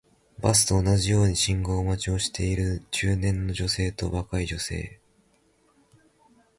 バスと同じように信号待ちをしている中年の女性と若い女性